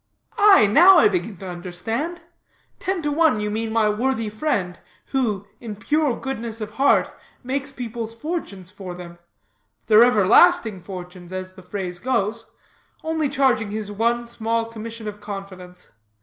"Aye, now, I begin to understand; ten to one you mean my worthy friend, who, in pure goodness of heart, makes people's fortunes for them their everlasting fortunes, as the phrase goes only charging his one small commission of confidence.